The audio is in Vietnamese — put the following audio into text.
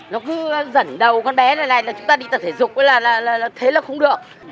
nó cứ dẫn đầu con bé này là chúng ta đi tập thể dục là thế là không được